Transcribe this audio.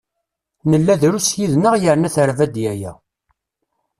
Nella drus yid-neɣ yerna terba-d yaya.